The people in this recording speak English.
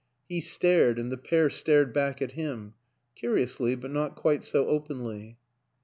He stared and the pair stared back at him curiously but not quite so openly.